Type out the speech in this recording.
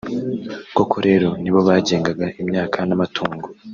koko rero nibo bagengaga imyaka n’amatungo